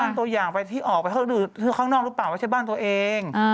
บ้านตัวอย่างที่ออกไปคือข้างนอกหรือเปล่าว่าใช่บ้านตัวเอง